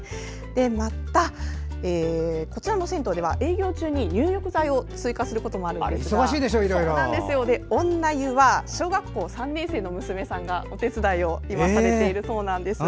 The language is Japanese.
こちらの銭湯では営業中に入浴剤を追加することがあるんですが女湯は小学３年生の娘さんがお手伝いをされているそうです。